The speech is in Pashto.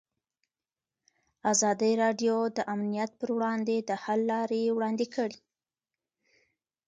ازادي راډیو د امنیت پر وړاندې د حل لارې وړاندې کړي.